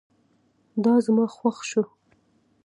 دا زما خوښ شو